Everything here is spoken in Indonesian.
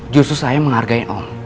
justru saya menghargai om